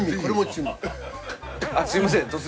突然すいません。